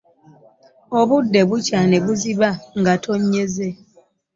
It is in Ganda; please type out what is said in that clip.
Obudde bukya ne buziba nga tonnyeze!